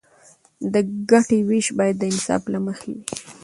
د ګټې ویش باید د انصاف له مخې وي.